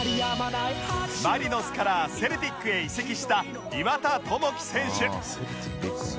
マリノスからセルティックへ移籍した岩田智輝選手